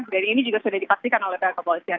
dan ini juga sudah dipastikan oleh pak kepolisian